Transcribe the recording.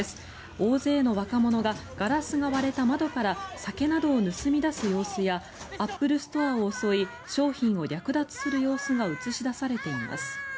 大勢の若者がガラスが割れた窓から酒などを盗み出す様子やアップルストアを襲い商品を略奪する様子が映し出されています。